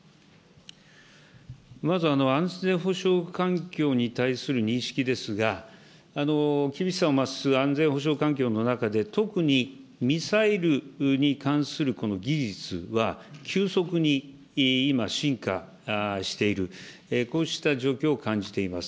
まず安全保障環境に対する認識ですが、厳しさを増す安全保障環境の中で、特にミサイルに関する技術は急速に今、進化している、こうした状況を感じています。